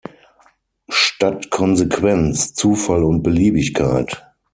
Statt Konsequenz: Zufall und Beliebigkeit.